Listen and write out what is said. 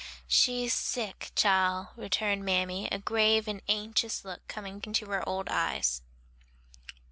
"She's sick, chile," returned mammy, a grave and anxious look coming into her old eyes.